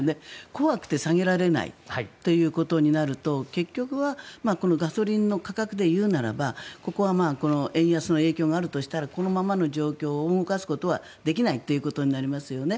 怖くて下げられないということになると結局はガソリンの価格でいうならばここは円安の影響があるとしたらこのままの状況を動かすことはできないということになりますよね。